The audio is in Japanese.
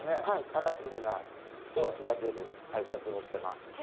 カラフルな、元気が出る配色にしてます。